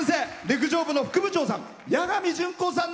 陸上部の副部長さん。